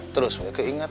terus muka inget